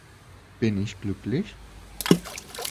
Bin ich glücklich?